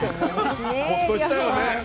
ホッとしたよね。